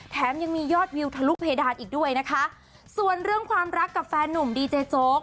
แถมยังมียอดวิวทะลุเพดานอีกด้วยนะคะส่วนเรื่องความรักกับแฟนหนุ่มดีเจโจ๊ก